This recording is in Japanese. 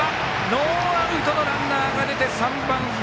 ノーアウトのランナーが出て３番、堀。